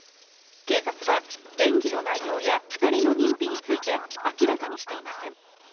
警察は便宜の内容や２人の認否について明らかにしていません。